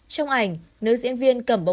trong ảnh nữ diễn viên kể